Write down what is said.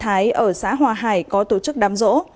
thái ở xã hòa hải có tổ chức đám rỗ